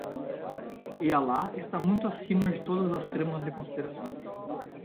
E Alá está muito acima de todas as tramas e conspirações